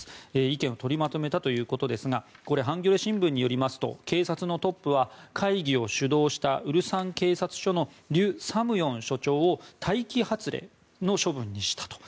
意見を取りまとめたということですがハンギョレ新聞によりますと警察のトップは会議を主導したウルサン警察署のリュ・サムヨン署長を待機発令の処分にしたと。